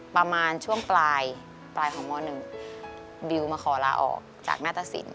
ประมาณช่วงปลายของม๑บิวมาขอลาออกจากหน้าตะสิน